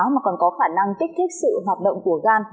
mà còn có khả năng kích thích sự hoạt động của gan